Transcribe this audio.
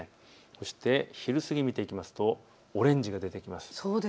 そして昼過ぎを見ていくとオレンジが出てきます。